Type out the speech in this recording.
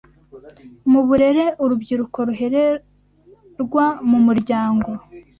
Mu burere urubyiruko ruhererwa mu muryango